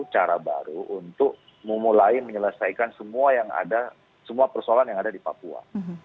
cara baru untuk memulai menyelesaikan semua persoalan yang ada di papua